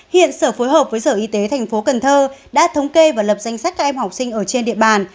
hiện sở phối hợp với sở y tế tp hcm đã thống kê và lập danh sách các em học sinh ở trên địa bàn